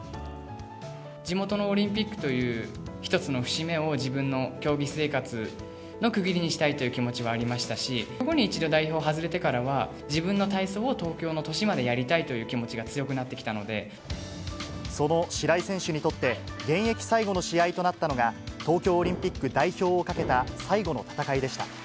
地元のオリンピックという一つの節目を、自分の競技生活の区切りにしたいという気持ちはありましたし、一度代表を外れてからは、自分の体操を東京の年までやりたいという気持ちが強くなってきたその白井選手にとって、現役最後の試合となったのが、東京オリンピック代表をかけた最後の戦いでした。